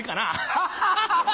ハハハハ！